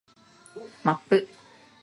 マップ